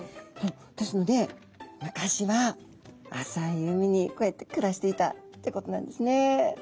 ですので昔は浅い海にこうやって暮らしていたってことなんですね。